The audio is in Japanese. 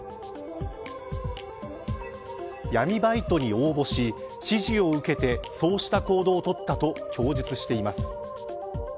闇バイトに応募し指示を受けてそうした行動を取ったと供述しています。